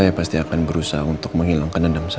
saya pasti akan berusaha untuk menghilangkan dendam saya